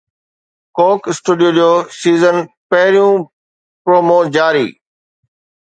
ڪوڪ اسٽوڊيو جو سيزن جو پهريون پرومو جاري